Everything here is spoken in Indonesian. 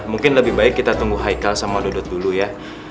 mungkin lebih baik kita tunggu hikal sama dodot dulu ya